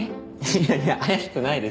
いやいや怪しくないですよ